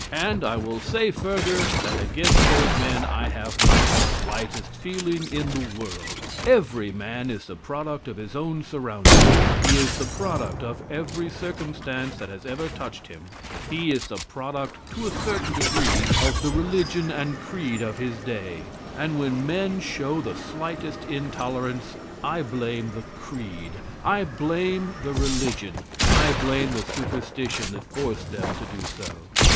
And I will say, further, that against those men I have not the slightest feeling in the world; every man is the product of his own surroundings; he is the product of every circumstance that has ever touched him; he is the product to a certain degree of the religion and creed of his day, and when men show the slightest intolerance I blame the creed, I blame the religion, I blame the superstition that forced them to do so.